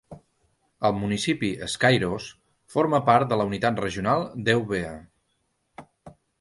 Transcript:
El municipi Skyros forma part de la unitat regional d'Eubea.